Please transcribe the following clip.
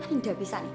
ini udah bisa nih